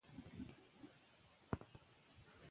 که په تعلیم کې اخلاص وي نو خیانت نه وي.